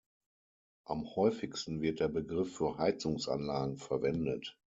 Am häufigsten wird der Begriff für Heizungsanlagen verwendet.